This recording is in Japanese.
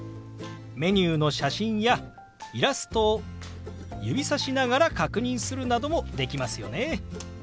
メニューの写真やイラストを指さしながら確認するなどもできますよね。